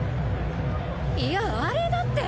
いやあれだって！